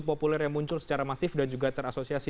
populer yang muncul secara masif dan juga terasosiasi